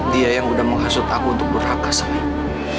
dia yang udah menghasut aku untuk berhakas sama ibu